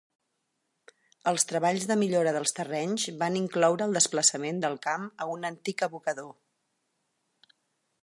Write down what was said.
Els treballs de millora dels terrenys van incloure el desplaçament del camp a un antic abocador.